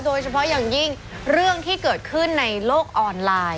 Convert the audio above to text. โดยเฉพาะอย่างยิ่งเรื่องที่เกิดขึ้นในโลกออนไลน์